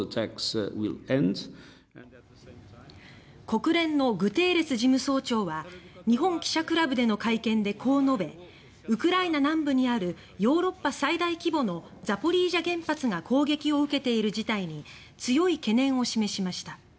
国連のグテーレス事務総長は日本記者クラブでの会見でこう述べウクライナ南部にあるヨーロッパ最大規模のザポリージャ原発が攻撃を受けている事態に強い懸念を示しました。